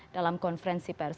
dalam konferensi pers